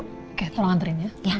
oke tolong anterin ya